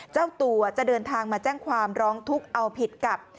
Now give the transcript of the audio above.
เจ้าตัวจะเดินทางมาแจ้งความร้องทุกข์เอาผิดกับ